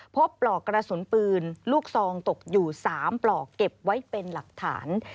ปลอกกระสุนปืนลูกซองตกอยู่๓ปลอกเก็บไว้เป็นหลักฐาน